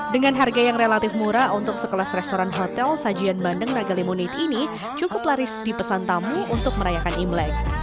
dengan harga yang relatif murah untuk sekelas restoran hotel sajian bandeng naga lemonate ini cukup laris di pesan tamu untuk merayakan imlek